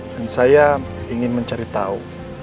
dan saya ingin mencari tahu